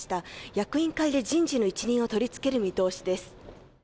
役員会で人事の一任を取り付ける見通しです。